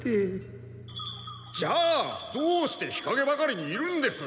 じゃあどうして日陰ばかりにいるんです？